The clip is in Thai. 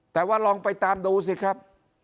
แต่ว่าลองไปตามดูสิครับ